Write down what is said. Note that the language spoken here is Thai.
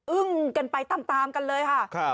อึ้งกันไปตามกันเลยค่ะ